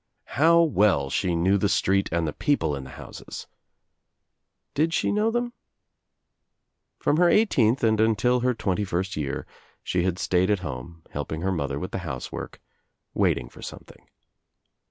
How well she knew the street and the people In the houses t Did she know them ? From her eighteenth and until her twenty first year she had stayed at home, helping her mother with the house* work, waiting for something.